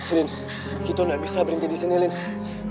alina kita gak bisa berhenti di sini alina